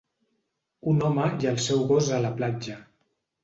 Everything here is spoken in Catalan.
Un home i el seu gos a la platja.